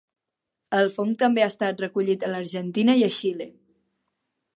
El fong també ha estat recollit a l'Argentina i a Xile.